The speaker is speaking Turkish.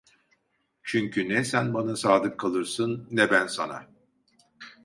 Çünkü ne sen bana sadık kalırsın, ne ben sana…